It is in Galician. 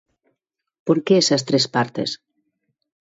Por que esas tres partes?